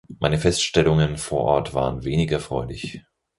Meine Feststellungen vor Ort waren wenig erfreulich.